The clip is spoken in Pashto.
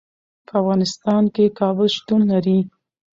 په افغانستان کې کابل شتون لري.